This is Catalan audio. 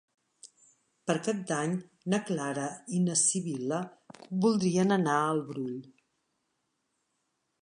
Per Cap d'Any na Clara i na Sibil·la voldrien anar al Brull.